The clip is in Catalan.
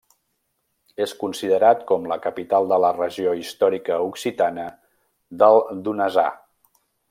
És considerat com la capital de la regió històrica occitana del Donasà.